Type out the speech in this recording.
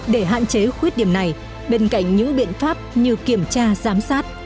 để hạn chế khuyết điểm này bên cạnh những biện pháp như kiểm tra giám sát